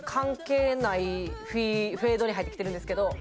フェードに入ってきてるんですけど。